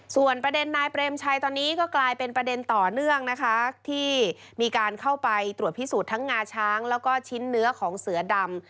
ส่วนประเด็นนายเปรมชัยตอนนี้ก็กลายเป็นประเด็นต่อเนื่องนะคะที่มีการเข้าไปตรวจพิสูจน์ทั้งงาช้างแล้วก็ชิ้นเนื้อของเสือดำ